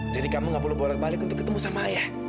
jadi kamu gak perlu bolak balik untuk ketemu sama ayah